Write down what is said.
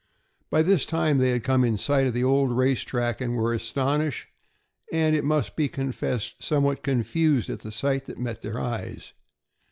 By this time they had come in sight of the old race track, and were astonished, and, it must be confessed, somewhat confused at the sight that met their eyes.